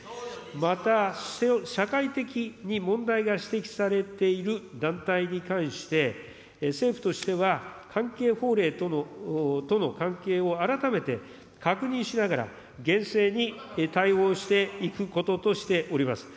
また、社会的に問題が指摘されている団体に関して、政府としては関係法令との関係を改めて確認しながら、厳正に対応していくこととしております。